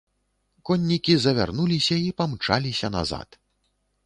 Коннікі завярнуліся і памчаліся назад.